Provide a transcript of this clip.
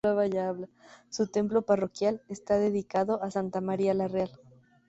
Su templo parroquial está dedicado a Santa María la Real.